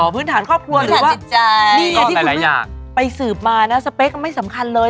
พื้นฐานครอบครัวหรือว่านี่ไงที่คุณไปสืบมานะสเปคไม่สำคัญเลย